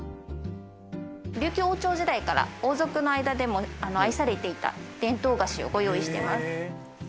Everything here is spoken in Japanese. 琉球王朝時代から、王族の間でも愛されていた伝統菓子をご用意してます。